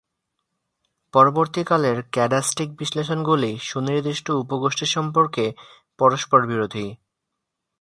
পরবর্তীকালের ক্যাডাস্টিক বিশ্লেষণগুলি সুনির্দিষ্ট উপগোষ্ঠী সম্পর্কে পরস্পরবিরোধী।